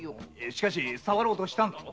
しかし触ろうとしたんだろ？